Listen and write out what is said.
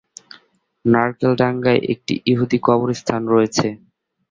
নার্কেলডাঙ্গায় একটি ইহুদি কবরস্থান রয়েছে।